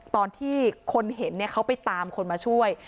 ตอนที่คนเห็นเขาไปตามคนมาช่วย